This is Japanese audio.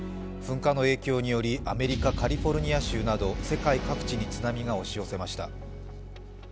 噴火の影響によりアメリカ・カリフォルニア州など世界各地に津波が押し寄せました。